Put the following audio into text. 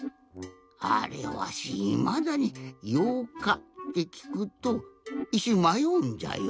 あれわしいまだに「ようか」ってきくといっしゅんまようんじゃよ。